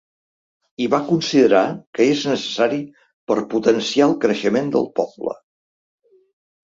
I va considerar que és necessari per potenciar el creixement del poble.